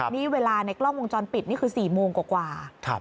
นี่เวลาในกล้องวงจรปิดนี่คือ๔โมงกว่า